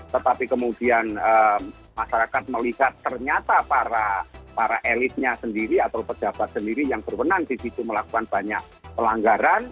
tetapi kemudian masyarakat melihat ternyata para elitnya sendiri atau pejabat sendiri yang berwenang di situ melakukan banyak pelanggaran